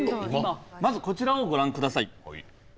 まずこちらをご覧下さい。